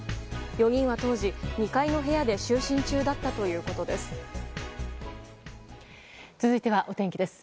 ４人は当時２階の部屋で就寝中だったということです。